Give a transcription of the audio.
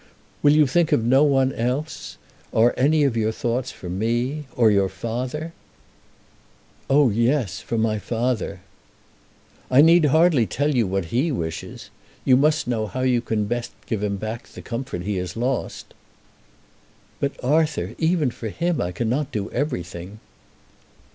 "Will you think of no one else? Are any of your thoughts for me, or for your father?" "Oh, yes; for my father." "I need hardly tell you what he wishes. You must know how you can best give him back the comfort he has lost." "But, Arthur, even for him I cannot do everything."